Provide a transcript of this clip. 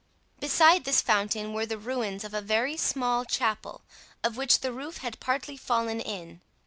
Beside this fountain were the ruins of a very small chapel, of which the roof had partly fallen in.